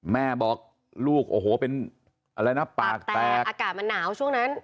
แม่บอกลูกโอ้โหเป็นอะไรนะปากแตกอากาศมันหนาวช่วงนั้น